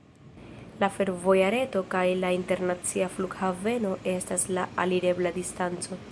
La fervoja reto kaj la internacia flughaveno estas en alirebla distanco.